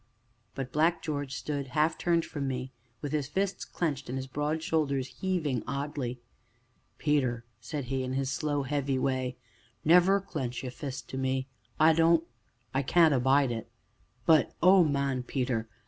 But Black George stood half turned from me, with his fists clenched and his broad shoulders heaving oddly. "Peter," said he, in his slow, heavy way, "never clench ye fists to me don't I can't abide it. But oh, man, Peter!